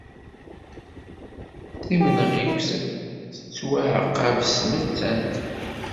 Timenɣiwt tettwaɛaqab s tmettant.